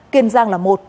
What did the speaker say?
kiên giang là một